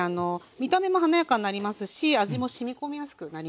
見た目も華やかになりますし味もしみ込みやすくなります。